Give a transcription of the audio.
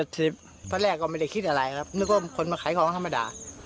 ตอนแรกก็ไม่ได้คิดอะไรครับนึกว่าคนมาขายของธรรมดา